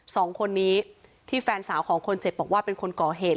สองคนนี้ที่แฟนสาวของคนเจ็บบอกว่าเป็นคนก่อเหตุ